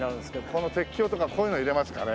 この鉄橋とかこういうの入れますかね？